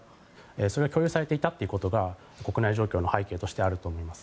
それが強要されていたことが国内状況の背景としてあると思います。